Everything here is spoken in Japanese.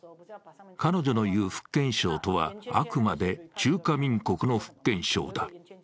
彼女の言う福建省とはあくまで中華民国の福建省だ。